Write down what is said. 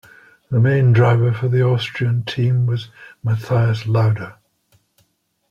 The main driver for the Austrian team was Mathias Lauda.